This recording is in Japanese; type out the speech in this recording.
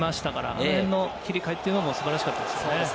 あの辺の切り替えも素晴らしかったですね。